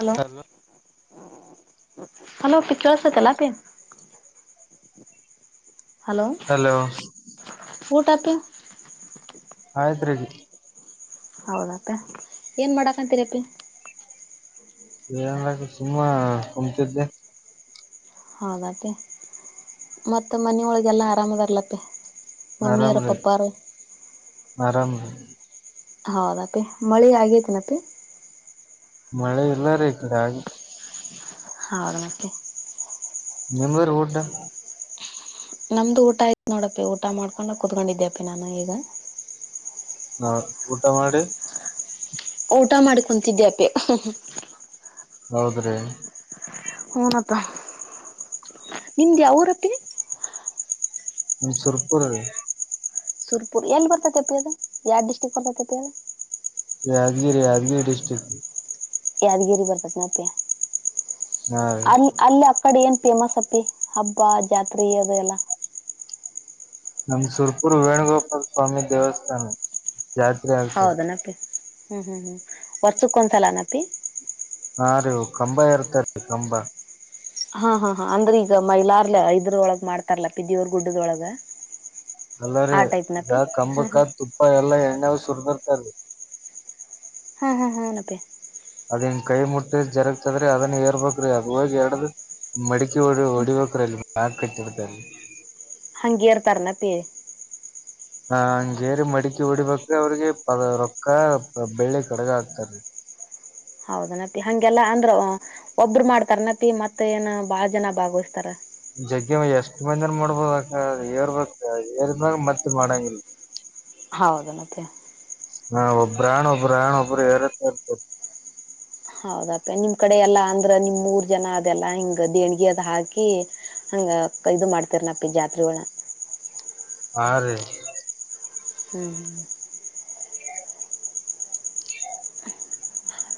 Hello hello ಪಿಚಳಾಸ ಚಲಾಗ pay [unintelligible] [inaudible] hello ಊಟಪ್ಪಿ ಆಯ್ತ್ ರೀ ಹೌದಪ್ಪ ಏನ್ ಮಾಡಕಂತೀರಪ್ಪಿ ಏನ್ ಸುಮ್ಮ ಕುಮ್ತಿದ್ದೆ ಹೌದತೇ ಮತ್ತೆ ಮನ ಒಳಗೆಲ್ಲ ಆರಾಮದರ್ಲಪ್ಪೆ ಮಮ್ಮಿಯರ ಆರಾಮ್ರೀ ಪಪ್ಪಾರು ಆರಾಮ್ರೀ ಹೌದಪ್ಪಿ ಮಳೆ ಆಗೇತನಪ್ಪಿ ಮಳೆ ಎಲ್ಲಾರೀ ಈ ಕಡೆ ಹಾಗ ಹಾ ಅವರ ಮತ್ತೆ ನಿಮ್ಮರು ಊಟ ನಮ್ದು ಊಟ ಆಯ ನೋಡಪಿ ಊಟ ಮಾಡ್ಕೊಂಡ ಕುೂತ್ಕೊಂಡಿದ್ದ್ಯಪ್ಪಿ ನಾನು ಈಗ ನಾ ಊಟ ಮಾಡಿ ಊಟ ಮಾಡ್ಕೊತಿದ್ದ್ಯಾಪ್ಪೆ ಹೌದ್ರಿ ಹೂನಪ್ಪ ನಿಮ್ದ ಯಾವ ಊರ ಹತ್ತಿ ನಿ ಸರ್ಪುರ ಸುರ್ಪುರ್ ಎಲ್ ಬರ್ತೈತ್ ಅಪ್ಪಿ ಅದು, ಯಾ ಡಿಸ್ಟ್ರಿಕ್ಕಲ್ ಬರ್ತೈತ್ ಹೇಳು ಯಾದ್ಗಿರಿ ಯಾದ್ಗಿರಿ ಡಿಸ್ಟ್ರಿಕ್ಕು ಯಾದ್ಗಿರಿ ಬರ್ತದ್ ಏನಪ್ಪಿ, ಹಾ ರೀ ಅಲ್ ಅಲ್ಲಿ ಅ ಕಡೆ ಏನ್ ಪೇಮಸ್ ಅಪ್ಪಿ ಹಬ್ಬ ಜಾತ್ರಿ ಅದು ಎಲ್ಲ ನಮ್ ಸುರ್ಪುರ್ ವೇಣುಗೋಪಾಲ್ ಸ್ವಾಮಿ ದೇವಸ್ಥಾನ ಜಾತ್ರೆ ಆಗ್ತದೆ. ಹೌದನಪ್ಪಿ ಹ್ಮ್ ಹ್ಮ್ ಹ್ಮ ವರ್ಷುಕ್ಕೊಂದ್ ಸಲ ನ ಅಪ್ಪಿ ಹಾ ರೀ ಕಂಬ ಇರುತ್ತೆ ರೀ ಕಂಬ ಹಾ ಹಾ ಹಾ ಅಂದ್ರೆ ಈಗ ಮಹಿಲಾರ್ಲೆ ಇದ್ರು ಒಳಗ್ ಮಾಡ್ತಾರಲ್ಲಾ ಪಿದಿಯೊರ್ ಗುಡ್ಡದೊಳಗ ಅಲ್ಲರಿ ಆ ಟೈಪ್ ಈಗ ನಪಿ ಹಾ ಕಂಬಕ್ಕ ಹಾ ತುಪ್ಪ ಎಲ್ಲಾ ಎಣ್ಣೆವ್ ಸುರ್ದಿರ್ತಾರ. ಹಾ ಹಾ ಹಾನಪ್ಪಿ ಅದಿಂಗ್ ಕೈ ಮುಟ್ಟಿ ಜರಗ್ತದ್ರಿ ಅದನ್ ಏರ್ಬೇಕ್ರಿ ಅದು ಹೋಗಿ ಎಡ್ದ ಮೆಡಿಕ್ [unintelligible] ಹ್ಮ್ ಓಡಿಬೇಕರೆ ಅಲ್ಲಿ ಮ್ಯಾಗ್ ಕಟ್ಟಿರ್ತಾರ್ರಿ ಹಂಗ್ ಏರ್ತರೇನಪ್ಪಿ ಹ ಹಂಗೇರಿ ಮಡಿಕೆ ಹೊಡಿಬೇಕ್ ಅವ್ರಿಗೆ ಪದ ರೊಕ್ಕ, ಬೆಳ್ಳಿ ಕಡಗ ಆಕ್ತಾರ್ರಿ ಹೌದನಪ್ಪಿ ಹಂಗೆಲ್ಲಾ ಅಂದ್ರ ಒಬ್ರು ಮಾಡ್ತಾರೆನಪ್ಪಿ ಮತ್ತ ಏನ್ ಬಾಳ ಜನ ಭಾಗವಹಿಸ್ತಾರ? ಜಗ್ಗೆ ಮ ಎಷ್ಟ್ ಮಂದಿನು ಮಾಡ್ಬೋದಕ್ಕ, ಏರ್ಬೇಕ್ ಏರ್ದ್ಮ್ಯಾಗ್ ಮತ್ ಮಾಡಂಗಿಲ್ಲ ಹೌದನತ್ತೆ ನಾ ಒಬ್ರಾಣ್ ಒಬ್ರಾಣ್ ಒಬ್ರು ಹೆರ್ತ ಇರ್ತರ್ರಿ ಹೌದಪ್ಪಿ ನಿಮ್ ಕಡೆ ಎಲ್ಲಾ ಅಂದ್ರ ನಿಮ್ಮೂರ್ ಜನ ಅದೆಲ್ಲಾ ಹಿಂಗ್ ದೇಣಗೆದ್ ಹಾಕಿ. ಹಂಗ ಇದು ಮಾಡ್ತರೆನಪ್ಪಿ ಜಾತ್ರೆಗಳ್ನ ಆ ರಿ ಹ್ಮ್ ಹ್ಮ್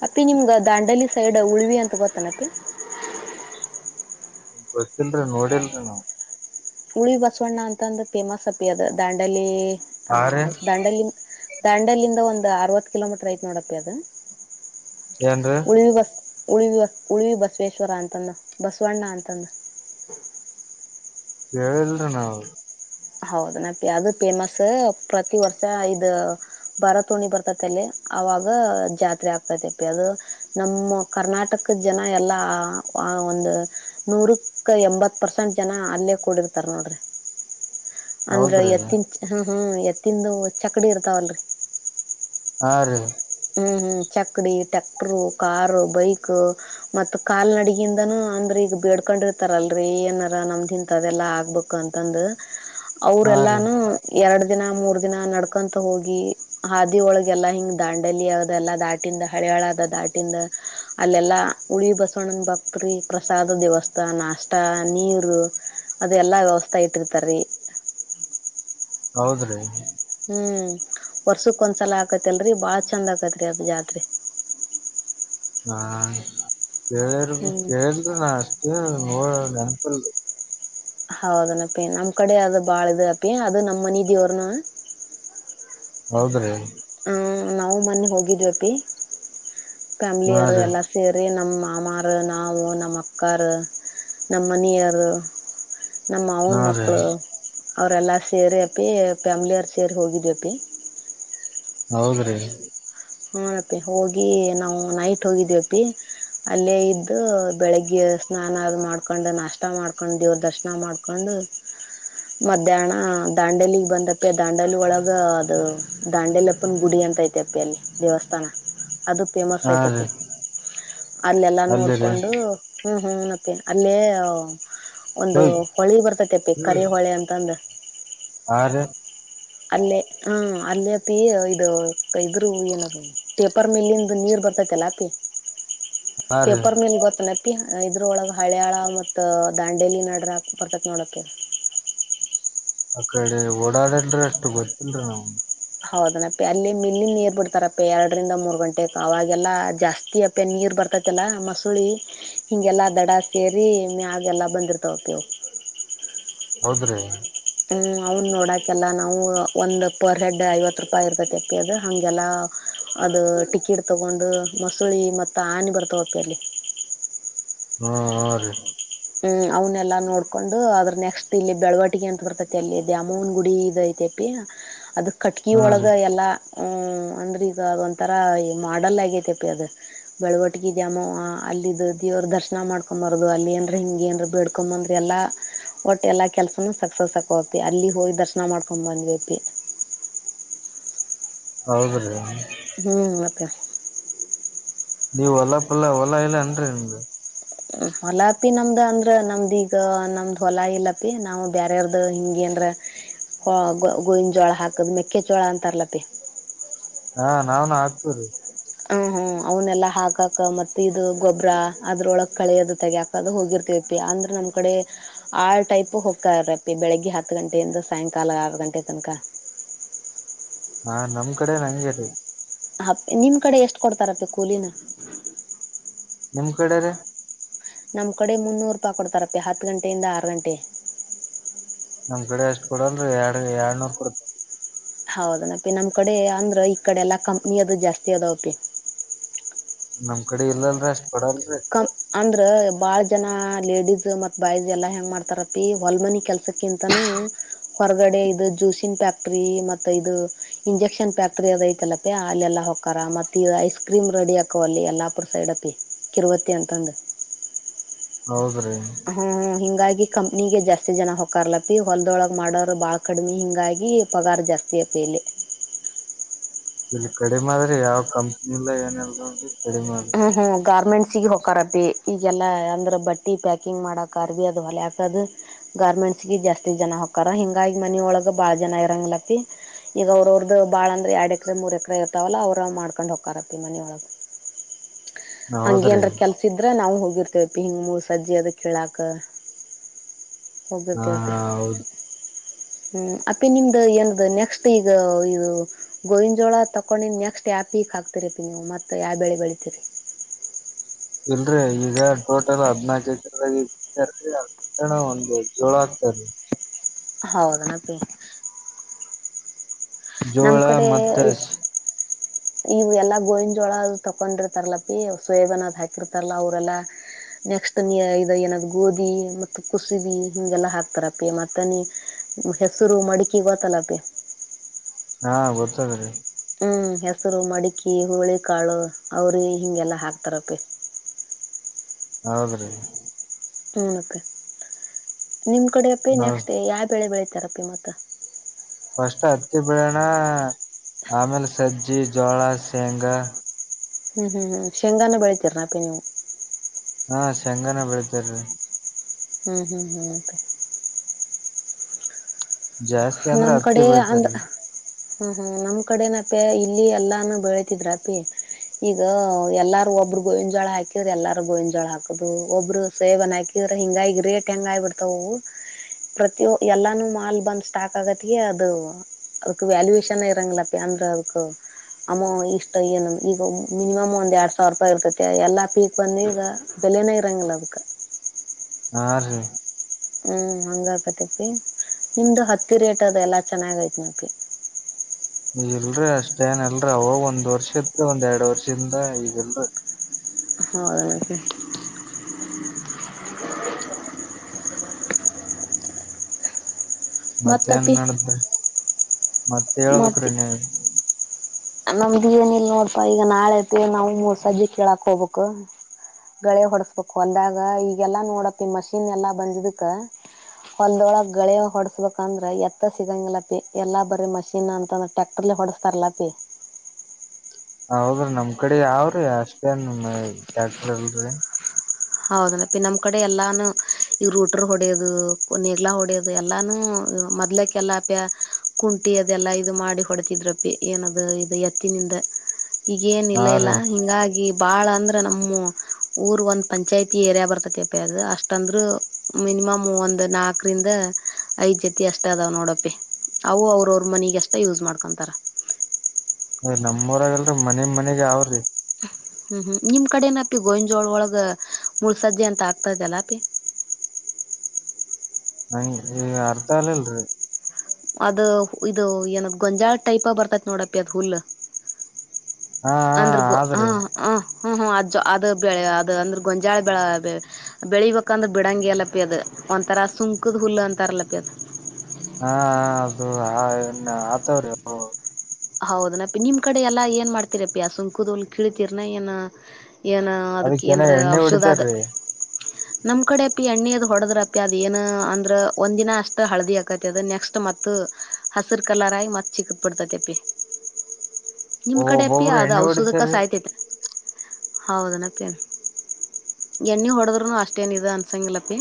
ಅಪ್ಪಿ ನಿಮ್ಗ ದಾಂಡೆಲಿ ಸೈಡ್ ಉಳ್ವಿ ಅಂತ ಗೊತ್ತಾನಪ್ಪಿ. ಗೊತ್ತಿಲ್ರಿ ನೋಡಿಲ್ರಿ ನಾವು ಹುಳಿ ಬಸ್ವಣ್ಣ ಅಂತಂದ್ ಫೇಮಸ್ ಅಪ್ಪಿ ಅದ ದಾಂಡೆಲಿ ಹಾ ರೀ ಅಹ್ ದಾಂಡೆಲಿ ದಾಂಡೆಲಿಂದ ಒಂದ್ ಅರ್ವತ್ ಕಿಲೋಮೀಟರ್ ಐತ್ ನೋಡಪ್ಪಿ ಅದು ಏನ್ರೀ ಉಳಿವಿ ಬಸ್ ಉಳಿವಿ ಉಳಿವಿ ಬಸವೇಶ್ವರ ಅಂತಂದು ಬಸವಣ್ಣ ಅಂತಂದು ಕೇಳಿಲ್ರಿ ನಾವು ಹೌದನಪ್ಪಿ ಅದು ಫೇಮಸ್ಸು ಪ್ರತಿ ವರ್ಷ ಐದು ಬರತುಣಿ ಬರ್ತತಿ ಅಲ್ಲಿ ಅವಾಗ ಜಾತ್ರೆ ಆಗ್ತತಿಪ್ಪಿ ಅದು ನಮ್ಮ ಕರ್ನಾಟಕದ್ ಜನ ಎಲ್ಲಾ ಆ ಒಂದು ನೂರಕ್ಕೆ ಎಂಬತ್ ಪರ್ಸೆಂಟ್ ಜನ ಅಲ್ಲೇ ಕೂಡಿರ್ತಾರ್ ನೋಡ್ರಿ ಅಂದ್ರ ಹೌದ್ರಿ ಎತ್ತಿನ ಹ ಹ ಎತ್ತಿನ್ದು ಚಕ್ಡಿ ಇರ್ತಾವಲ್ರಿ ಹಾ ರೀ ಹ್ಮ್ ಹ್ಮ್ ಚಕ್ಡಿ, ಟ್ಯಾಕ್ಟರು, ಕಾರು, ಬೈಕು ಮತ್ತ ಕಾಲ್ನಡಗಿಂದಾನು ಅಂದ್ರೆ ಈಗ್ ಬೇಡ್ಕೊಂಡಿರ್ತಾರಲ್ರಿ ಏನಾರ ನಮ್ದ್ ಇಂತದೆಲ್ಲಾ ಆಗ್ಬೇಕು ಅಂತಂದು ಹಾ ರೀ ಅವ್ರೆಲ್ಲಾನು ಎರಡ್ ದಿನ ಮೂರ್ ದಿನ ನಡ್ಕೊಂತ ಹೋಗಿ ಹಾದಿ ಒಳಗ್ ಎಲ್ಲಾ ಹಿಂಗ್ ದಾಂಡ್ ಡೆಲಿ ಅದ್ ಎಲ್ಲಾ ದಾಟಿಂದ ಹಳೆಹಾಳದ ದಾಟಿಂದ ಅಲ್ಲೆಲ್ಲಾ ಉಳಿವ್ ಬಸ್ವಣ್ಣನ್ ಭಕ್ತರಿ ಪ್ರಸಾದ, ದೇವಸ್ಥನ ಅಷ್ಟ ನೀರು ಅದೆಲ್ಲಾ ವ್ಯವಸ್ಥಾ ಇಟ್ಟಿರ್ತಾರೀ ಹೌದ್ರಿ ಹ್ಮು ವರ್ಷಕ್ಕೆೊಂದ್ಸಲ ಆಕತಿಲ್ರಿ ಬಾಳ್ ಚಂದ ಆಕತ್ರೀ ಅದು ಜಾತ್ರೆ ಹಾ ಕೇಳಿರ್ ಹ್ಮ್ ಕೇಳಿದಿನಾ ಅಷ್ಟೇ ನೋ ನೆನಪಿಲ್ ಹೌದನಪ್ಪಿ ನಮ್ ಕಡೆ ಅದು ಬಾಳ ಇದು ಅಪ್ಪಿ ಅದು ನಮ್ಮನೀ ದೇವ್ರ್ನು ಹೌದ್ರಿ ಹ ನಾವು ಮನ್ನೆ ಹೋಗಿದ್ವಪ್ಪಿ, ಹಾ ಫ್ಯಾಮಿಲಿಯರು ರೀ ಎಲ್ಲ ಸೇರಿ ನಮ್ಮ ಮಾಮಾರು ನಾವು ನಮ್ ಅಕ್ಕಾರು, ನಮ್ ಮನಿಯಾರು ನಮ್ ಹಾ ಮಾವನ್ ರೀ ಮಕ್ಳು ಅವರೆಲ್ಲ ಸೇರಿ ಅಪ್ಪಿ ಫ್ಯಾಮ್ಲಿಯ ಅವರು ಸೇರಿ ಹೋಗಿದ್ಯಪ್ಪಿ ಹೌದ್ರಿ ಹಾನ್ಪ್ಪಿ ಹೋಗಿ ನಾವು ನೈಟ್ ಹೋಗಿದ್ದೀವಪ್ಪಿ ಅಲ್ಲೇ ಇದ್ದು ಬೆಳಿಗ್ಗೆ ಸ್ನಾನ ಅದು ಮಾಡ್ಕೊಂಡು ನಾಷ್ಟ ಮಾಡ್ಕೊಂಡು ದೇವ್ರ ದರ್ಶನ ಮಾಡ್ಕೊಂಡು ಮಧ್ಯಾಹ್ನ ದಾಂಡೆಲಿಗ್ ಬಂದಪ್ಪ ದಾಂಡಲಿ ಒಳಗ ಅದು ದಾಂಡೆಲ್ಪ್ಪನ ಗುಡಿಯ ಎಂತ ಐತೆ ಅಪ್ಪಿ ಅಲ್ಲಿ ದೇವಸ್ಥಾನ ಅದು ಫೇಮಸ್ ಹಾ ರೀ ಐತಪಿ ಅಲ್ಲೆಲ್ಲಾ ಅಲ್ಲಿ ರೀ ನೋಡ್ಕೊಂಡು ಹ್ಮ ಹ್ಮನಪ್ಪಿ ಅಲ್ಲೇ ಒಂದು ಹೋಯ್ ಹೊಳಿ ಬರ್ತತಿ ಅಪ್ಪಿ ಕರಿ ಹೊಳಿ ಅಂತಂದ ಹಾ ರಿ. ಅಲ್ಲೇ ಹ್ಮ ಅಲ್ಲೇತಿ ಇದು ಇದ್ ಏನ ಪೇಪರ್ ಮಿಲ್ಲಿಂದು ನೀರ್ ಬತಕಲಾಪಿ ಹಾ ರೀ ಪೇಪರ್ ಮಲ್ ಗೊತ್ತ ಇದ್ರೊಳಗೆ ಹಳಯಾಳ ಮತ್ತು ದಾಂಡೇಲಿ ನಡ್ರ ಬರ್ತಕ್ ನೋಡಕ ಆ ಕಡೆ ಓಡಾಡಲ್ರ ಅಷ್ಟು ಗೊತ್ತಿಲ್ರಿ ನಂಗ್ ಹೌದನಪ್ಪ ಅಲ್ಲಿ ಮಲ್ಲಿನ್ ನೀರ್ ಬಿಡ್ತಾರಪ್ಪ ಎರಡರಿಂದ ಮೂರ್ ಗಂಟೆ ಅವಾಗೆಲ್ಲಾ ಜಾಸ್ತಿ ಅಪೆ ನೀರ್ ಬರ್ತತಿಲ್ಲ ಮಸುಳಿ ಹಿಂಗೆಲ್ಲಾ ದಡ ಸೇರಿ ಮ್ಯಾಗ ಎಲ್ಲಾ ಬಂದಿರ್ತಾವತವು ಹೌದ್ರಿ ಹ್ಮ್ ಅವನ್ ನೋಡಾಕೆಲ್ಲಾ ನಾವು ಒಂದ್ ಪರ್ ಹೆಡ್ ಐವತ್ ರೂಪಾಯಿ ಇರ್ಬೇಕೇತಿ ಎಪ್ಪದ ಹಗೆಲ್ಲ ಅದ ಟಿಕಿಟ್ ತಗೊಂಡು ಮಸುಳಿ ಮತ್ತ ಆನಿ ಬರ್ತಪೆ ಅಲ್ಲಿ ಹ್ಮ ಹ ರೀ ಹ್ಮ್ ಅವ್ನ್ನೆಲ್ಲಾ ನೋಡ್ಕೊಂಡು ಅ್ರ ನೆಕ್ಸ್ಟ್ ಇಲ್ಲಿ ಬೆಳವಟಿಗೆ ಅಂತ ಬರ್ತೈತಿ ಅಲ್ಲಿ ಅಮವನ್ ಗುಡಿ ಇದಐತೆ ಅದ ಕಟ್ಕಿ ಹಾ ಒಳಗ ರೀ ಎಲ್ಲಾ ಹ್ಮ ಅಂದ್ರೆ ಈಗ ಅದ ಒಂಂತರಾ ಮಾಡಲ್ ಆಗೇತೆಪಿ ಅದ್ ಬೆಳವಟ್ಟಗಿ ಜ್ಯಾಮ ಅಲ್ಲಿದ್ದ ದೇವರು ದರ್ಶನ ಮಾಡ್ಕೊಂಬಾರದು ಅಲ್ಲಿ ಏನರ ಹಿಂಗೆ ಏನ ಬೇಡ್ಕೊಂಬಂದ್ರೆ ಎಲ್ಲ ಒಟ್ಟ ಎಲ್ಲಾ ಕೆಲ್ಸನು ಸಕ್ಸಸ್ ಆಕೋಪಿ ಅಲ್ಲಿ ಹೋಗಿ ದರ್ಶನ ಮಾಡ್ಕೊಂಡ್ ಬಂದ್ವಿಪಿ [inaudible] ಹೌದ್ರೀ ಹ್ಮ್ ಮತ್ತೆ ನೀವು ಹೊಲ್ಲಾ ಪುಲ್ಲ ಹೊಲಾ ಇಲ್ಲ ಎನ್ರಿ ಹೊಲಾಪಿ ನಮ್ದ್ ಅಂದ್ರ ನಮ್ದ ಈಗ ನಮ್ದ್ ಹೊಲಾ ಇಲ್ಲಪಿ ನಾವ್ ಬ್ಯರ್ಯಾರ್ದ ಹಿಂಗೆ ಯಾಂದ್ರ ಗೋವಿನ ಜೋಳ ಹಾಕದ ಮೆಕ್ಕೆಜೋಳ ಅಂತಾರಲತಿ ಹಾ ನಾವ್ನ ಆಗ್ತವ್ರೀ ಹ್ಮ ಹ್ಮ್ ಅವ್ನ್ನಲ್ಲಾ ಹಾಕಾಕ ಮತ್ತೆ ಇದು ಗೊಬ್್ರರ ಅದ್ರೊಳಗ್ ಕಳೆದು ತಗಕದು ಹೋಗಿರ ತುತಿ ಅಂದ್ರೆ ನಮ್ ಕಡೆ ಆಳ್ ಟೈಪ್ ಹೋಗತ ರಪಿ ಬೆಳಿಗ್ಗೆ ಹತ್ತು ಗಂಟೆಯಿಂದ ಸಾಯಂಕಾಲ ಆ ಗಂಟೇ ತನಕ [inaudible] ಹ ನಮ್ ಕಡೆ ನಂಗೆ ರೀ ಹ ನಿಮ್ ಕಡೆ ಎಷ್ಟು ಕೊಡ್ತಾರಪ್ಪೆ ಕೂಲಿನ ನಿಮ್ ಕಡೆ ರಿ ನಮ್ಮ್ ಕಡೆ ಮುನ್ನೂರು ರೂಪಾಯಿ ಕೊಡ್ತಾರಪ್ಪೆ ಹತ್ತು ಗಂಟೆಯಿಂದ ಆರು ಗಂಟೆ ನಮ್ ಕಡೆ ಎಷ್ಟ್ ಕೊಡಲ್ರಿ ಎರಡ್ ಎರಡ್ನೂರ್ ಕೊಡತ ಹೌದನಪಿ ನಮ್ ಕಡೆ ಅಂದ್ರ ಈ ಕಡೆ ಎಲ್ಲಾ ಕಂಪ್ನಿ ಅದು ಜಾಸ್ತಿ ಅದಾವಪಿ ನಮ್ ಕಡೆ ಇಲ್ಲಲ್ರ ಅಷ್ಟ್ ಕೊಡಲ್ರಿ ಕ ಅಂದ್ರ ಬಾಳ ಜನ ಲೇಡೀಸ್ ಮತ್ ಬಾಯ್ಸ್ ಎಲ್ಲಾ ಹೆಂಗ್ ಮಾಡ್ತಾರ ಪಿ ಹೊಲ್ಮನಿ ಕೆಲ್ಸಕ್ಕಿಂತನ ಹೊರಗಡೆ ಇದು ೂಸನ್ ಫ್ಯಾಕ್ಟ್ರರಿ ಮತ್ತೆ ಇದು ಇಂಜೆಕ್ಷನ್ ಫ್ಯಾಕ್ಟರಿ ಅದ ಐತಲ್ಲ ಪ ಅಲ್ಲೆಲ್ಲಾ ಹೊಕಾರ ಮತ್ತ ಐಸ್ ಕ್ರೀಮ್ ರೆಡಿ ಹಾಕೋ ಅಲ್ಲಿ ಎಲ್ಲಾಪುರ ಸೈಡಪ್ಪಿ ಕಿವತ್ತಿ ಅಂತಂದು ಹೌದು ಹ್ಮ ಹಿಂಗಾಗಿ ಈ ಕಂಪ್ನಿಗೆ ಜಾಸ್ತಿ ಜನ ಹಕಾರ್ಲಪಿ ಹೊಲದೊಳಗೆ ಮಾಡೋರು ಬಾಳ ಕಡಿಮೆ ಹಿಂಗಾಗಿ ಪಗಾರ್ ಜಾಸ್ತಿ ಅಪಿ ಇಲ್ಲಿ [inaudible] ಇಲ್ಲಿ ಕಡಿಮಿ ಅದರಿ ಯಾವ ಕಂಪ್ನಿ ಇಲ್ಲ ಏನ್ ಹ್ಮ್ ಹ್ಮ್ ಗಾರ್ಮೆಂಟ್ಸ್ ಸಿಗೆ ಹಕಾರ ಬಿ ಈಗೆಲ್ಲಾ ಅಂದ್ರ ಬಟ್ಟಿ ಪ್ಯಾಕಿಂಗ್ ಮಾಡಕ ಭ ಅದು ಹೊಲೆ ಹಾಕದ ಗಾರ್ಮೆಂಟ್ ಮಗೆ ಜಾಸ್ತಿ ಜನ ಹಾಕಾರ ಹಿಂಗ ಮನ ಒಳಗ ಬಾಳ ಜನ ಇರಂಗಲತಿ ಈಗ ಅವ್ರ ಅವರದ ಬಾಳ ಅಂದ್ರ ಎರಡ್ ಎಕರೆ ಮೂರ್ ಎಕರೆ ಇರ್ತಾವಲ್ಲ ಅವ್ರರು ಮಾಡ್ಕೊಂಡ್ ಹಕ್ಕಕಾರತ್ತತಿ ಮನೊಳಗೆ. [inaudible] ಹಂಗಗೆ ಹೌದ್ರಿ ಏನ್ ಕೆಲ್ಸಿದ್ರೆ ನಾವು ಹೋಗ ಹಗಿರ್ತೇವಿ ಹಿಂಗ ಮೂರು ಸಜ್ಜಿ ಅದ ಕಳಾಕ್ ಹಾ ಹೌದು ಹ್ಮ್ ಅಪ್ಪೆ ನಿಮ್ದ ಏನ ನೆಕ್ಸ್ಟ್ ಈಗ ಇದು ಗೋವಿನಜೋಳ ತಕೊಂಡ ನೆಕ್ಸ್ಟ್ ಹ್ಯಾಪೀಿಗೆ ಹಾಕ್ತೀರಿಪ್ಪ ನೀವು ಮತ್ತುತ್ತ ಯಾವ ಬೆಳೆ ಬೆಳೀತೀರಿ ಇಲ್ರರಿ ಈಗ ಟೋಟಲ್ ಹದ್ನಾಕ ಎಕರದಾಗ ಇರ್ತಾರೀ ಅದ ತಣ ಒಂದ್ ಜೋಳ ಆಗ್ತಾರೀ ಹ ಹೌದಪ್ಪ ನಮ್ಮ್ ಜೋಳ ಕಡೆ ಮತ್ತೆ ಇವು ಎಲ್ಲಾ ಗೋಯಿಂಜೋಳ ತಕೊಂಡಿರ್ತಾರಲ್ಲಪಿ ಸೋಯವನ ಅದ್ ಹಾಕಿರ್ತಾರಲ್ಲಾ ಅವ್ರಲ್ಲಾ ನೆಕ್ಸ್ಟ್ ನೀ ಇದ ಏನಾದ್ ಗೋಧಿ ಮ ಕುಸುವಿ ಹಿಂಗೆಲ್ಲಾ ಹಾಕ್ತಾರಪ್ಪೆ ಮತ್ತನಿ ಹೆಸರು ಮಡಿಕಿ ಗೊತ್ತಲ್ಲಪ ಹಾ ಗೊತದ ರೀ ಹ್ಮ ಹೆಸರು ಮಡಿಕಿ ಹುಳಿಕಾಳು ಅವ್ರ ಹಿಂಗೆಲ್ಲ ಹಾಕ್ತಾರಪ್ಪಿ ಹೌದ್ರಿ ಹ್ಮಕೆ ನಿಮ್ ಕಡೆ ಅಪ್ಪಿ ನಾವ್ ನೆಕ್ಸ್ಟ್ ಯಾವ ಬೆಳೆ ಬೆಳತ ಕೆರಪ್ಪಿ ಮಾತ ಫಸ್ಟ್ ಹತ್ತಿ ಬಳಣ ಆಮೇಲೆ ಸಜ್ಜಿ ಜೋಳ ಶೇಂಗಾ ಹ್ಮ್ ಹ್ಮ್ ಹ್ಮ್ ಶಂಂಗನ್ನೆ ಬೆಳಿತೀರಾಪ್ಪಿ ನೀವು ಹಾ ಶಂಗನ ಬೆಳತಾರಿ ಹ್ಮ್ ಹ್ಮ್ ಹ್ಮತ [unintelligible] ಜಾಸ್ತಿ ಅಂದ್ರ ನಮ್ಮ ಹತ್ತಿ ಕಡೆ ಅಂದ ಬೆಳಿತಾರೀ ಹ್ಮ ಹ್ಮ ನಮ್ ಕಡೆನಪೆ ಇಲ್ಲಿ ಎಲ್ಲಾನೂ ಬೆಳತಿದ್ರ ಅಪಿ ಈಗ ಎಲ್ಲಾರು ಒಬ್ರು ಗೋವಿನ ಜೋಳ ಹಾಕಿದ್ರೆ ಎಲ್ಲಾರು ಗೋವಿನ ಜೋಳ ಹಾಕುದು ಒಬ್ರು ಸೇವನ್ ಹಾಕಿದ ಹಿಂಗ ಗ ರೇಟ್ ಹೆಂಗ ಬಿಡ್ತಾವವು ಪ್ರತಿ ಎಲ್ಲಾನು ಮಾಲ್ ಬಂದ ಸ್ಟಾಕ್ ಆಗತ್ತಿಗೆ ಅದು ಅದುಕ್ಕೆ ವಲ್ಯುವೇಷನ್ ಇರಂಗ ಪ್ಯಾಂದ್ರ ಅದು ಅಮ ಇಷ್ಟ ಏನು ಈಗ ಮಿನಿಮಮ್ ಒಂದ್ ಎರಡ್ ಸಾವಿರ ರೂಪಾಯಿ ಇರ್ತತಿ ಎಲ್ಲಾ ಪೀಕ್ ಬಂದಿ ಈಗ ಇಲೆ ನೇರಗಳ ಅವಕ [unintelligible] ಹಾ ರೀ ಹ್ಮ್ ಹಂಗಕತಿಪಿ ನಿಮ್ದು ಹತ್ತಿ ರೇಟ್ ಅದ ಎಲ್ಲಾ ಚೆನ್ನಾಗ್ಐತಿ ನಪಿ [inaudible] ಈಗಲ್ರೀ ಅಷ್ಟೇಏನಲ್ರ ಅವ ಒಂದ್ ವರ್ಷ ತ್ರಿ ಒಂದ್ ಎರಡ್ ವರ್ಷದಿಂದ ಈಗಲ್ರ ಹೌ ನನಕ್ಕೆ [unintelligible] ಮತ್ತೆ ನ್ ಮತ್ತಪಿ ನಡ್ದೆ ಮತ್ತ ಹೇಳ್ಬೇಕ್ರೀ ನೀವ ನಮ್ದಿ ಏನಿಲ್ ನೋಡ್ತಾ ಈಗ ನಾಳೆ ಇರ್ತೀವಿ ನಾವು ಮೂರ್ ಸಜ್ಜೆ ಕೇಳಕ್ ಹೋಗ್ಬೇಕು ಗಳೆ ಹೊಡಸ್ಬೇಕು ಅಂದಾಗ ಈಗೆಲ್ಲಾ ನೋಡಪ್ಪ ಈ ಮಷೀನ್ ಎಲ್ಲಾ ಬಂದಿದಕ್ಕ ಒಂದೊಳಗ್ ಗಳಿ ಹೊಡ್ಸ್ಬೇಕಂದ್ರೆ ಎತ್ತ ಸಿಗಂಗಿಲ್ಲ ಪ ಎಲ್ಲಾ ಬರೀ ಮಷೀನ್ ಅಂತಂದ್ರ ಟ್ಯಾಕ್ಟರ್ ಕೊಡತಾರಲ್ಲಪಿ [unintelligible] ಹೌದ್ರಿ ನಮ್ ಕಡೆ ಯಾವ್ರಿ ಅಷ್ಟೇ ಡಾಕ್ಟರ್ ಎಲ್ರರಿ ಹೌದಣ ಅಪ್ಪಿ ನಮ್ ಕಡೆ ಎಲ್ಲಾನು ಈ ರೂಟರ್ ಹೊಡೆಯೋದು ನೀೇರ್ಲಾ ಹೊಡೋದು ಎಲ್ಲಾನು ಮೊದ್ಲಕ್ಕೆಲ್ಲಾಪ ಕುಂಟಿ ಅದೆಲ್ಲಾ ಇದು ಮಾಡಿ ಹೊಡೆತಿದ್ರ ಪಿ ಏನದ ಇದು ಎತ್ತಿನ ಈಗೇನ ಹಾ ಇಲ್ಲ ಇಲ್ಲ ರೀ ಹಿಂಗಾಗಿ ಬಾಳ ಅಂದ್ರೆ ನಮ್ಮ ಊರ್ ಒಂದ್ ಪಂಚಾಯತಿ ಏರಿಯಾ ಬರ್ತತಿ ಅದು ಅಷ್ಟ ಅಂದ್ರರು ಮಿನಿಮಮ್ ಒಂದು ನಾಲ್ಕರಿಂದ ಐದ್ ಜೊತಿ ಅಷ್ಟೇ ಅದಾವ್ ನೋಡಪೆ ಅವು ಅವ್ರ ಅವ್ರ ಮನಿಗ್ ಅಷ್ಟ ಯೂಸ್ ಮಾಡ್ಕೊಂತಾರ ಏ ನಮ್ಮೂರಾಗಲ್ರರಿ ಮನ ಮನೆಗೆ ಅವಾವ್ರಿ ಹ್ಮ್ ಹ್ಮ್ ನಿಮ್ ಕಡೆ ನಪಿ ಗೋಂಜೋಳ ಒಳಗ ಮುಳ್ಸಜ್ಜೆ ಅಂತ ಆಗ್ತಾದೆಲ್ಲಪಿ [inaudible] ನ ಈ ಅರ್ಥ ಅಲ್ಲಲ್ರಿ ಅದು ಇದು ಏನದ ಗೊಂಜಾಳ ಟೈಪ್ ಬರ್ತೈತಿ ನೋಡಪಿ ಅದು್ ಹುಲ್ಲ ಹಾ ಹಾ ಅಂದ್ರ ಗೋ ಆದ್ರಿ ಹ ಹ ಹ್ಮ್ ಹ್ಮ್ ಅ್ ಅದ ಬೆಳೆ ಅದ ಅಂದ್ರೆ ಗೊಂಜಾಳ ಬೆಳೆ ಬೆಳಿಬೇಕಂದ್ರೆ ಬಿಡಂಗಿ ಎಲ್ಲ ಪಿ ಅದ ಒಂತರ ಸುಂಕದಹುಲ್ ಅಂತರಲ್ಲಪಿ ಹಾ ಅದು ಹ ಆತವ್ರ ಹೌದನಪ್ಪಿ ನಿಮ್ ಕಡೆ ಎಲ್ಲಾ ಏನ್ ಮಾಡ್ತೀರಪಿ ಆ ಸುಂಕುದಲ್ ಕಿಳತಿೀರ್ನ ಏನ ಏನು ಅದಕ್ಕೆ ಅದಕ್ ಏನೋ ಏನ್ರ ಎಣ್ಣೆ ಔಷಧ ಅದು ಹೊಡಿತಾರ್ರಿ ನಮ್ಮ್ ಕಡೆ ಅ ಪಿ ಎಣ್ಣೆ ಅ್ ಹೊಡದ್ರ ಅಪಿ ಅದ ಏನು ಅಂದ್ರೆ ಒಂದ ದಿನ ಅಷ್ಟ್ ಹಳದಿ ಆಕೈತಿ ಅದ ನೆಕ್ಸ್ಟ್ ಮತ್ತ ಹಸಿರು ಕಲಾರಾಯಿ ಮತ್ ಚಿಕ್ಕತ್ ಬಿಡ್ತತೆಪಿ ನಿಮ್ಮ ಕಡೆ ಅಪ್ಪಿ ಒಬ್ಬೊಬ್ರು ಅದು ಎಣ್ಣೆ ಔಷಧ ಹೊಡಿತಾರ್ರಿ ಕಸಾಯ್ತಿತೆ ಹೌದನಪ್ಪಿ ಎಣ್ಣೆ ಹೊಡೆದ್ರು ಅಷ್ಟೇನಿದೆ ಅನ್ಸಂಗಲಪ್ಪಿ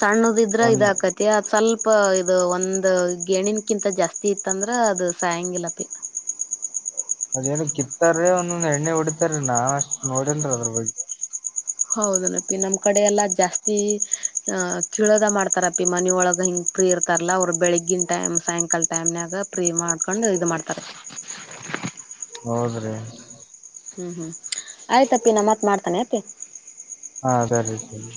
ಸಣ್ಣದಿದ್ರೆ ಇದ ಒಂದ್ ಹಾಕತಿ ಅ ಸ್ವಲ್ಪ ಸ್ವಪ ಇದು ಒಂದ ಗೇಣನ್ಕಿಂತ ಜಾಸ್ತಿ ಇತ್ತ ಅಂದ್ರ ಅದು ಸಾಯಂಗ ಎಗೆಲ್ಲಪಿ [unintelligible] ಏನ ಕಿತ್ತಾರ ಒಂದೊಂದ್ ಎಣ್ಣೆ ಹೊಡಿತಾರ ನಾನ್ ಅಷ್ಟ್ ನೋಡಂದ್ರ ಅದ್ರ ಬಗ್ಗೆ ಹೌದನಪಿ ನಮ್ ಕಡೆ ಎಲ್ಲಾ ಜಾಸ್ತಿ ಅ ಕೀಳದ ಮಾಡ್ತಾರಪಿ ಮನೊಳಗ ಹಿಂಗ ಫ್ರೀ ಇರ್ತಾರಲ್ಲ ಅವ್ರರು ಬೆಳಿಗನ್ ಟೈಮ್ ಸಾಯಂಕಾಲ ಟೈಮ್ನಾಗ ್ರೀ ಮಾಡ್ಕೊಂಡ್ ಇದು ಮಾಡ್ತಾರೆ ಹೌದ್ರಿ ಹ್ಮ್ ಹ್ಮ್ ಆಯ್ತಪ್ಪಿ ನ ಮತ್ ಮಾಡ್ತಾನೆ ಅತಿಿ ಹಾ ಸರಿ ಸರಿ